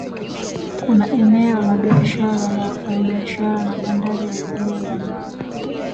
Kuna eneo la biashara la wafanyabiashara na Bandari ya Jiwe la Mawe